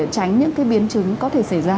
các biến chứng có thể xảy ra